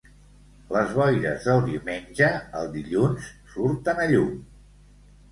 Les boires del diumenge, el dilluns surten a llum.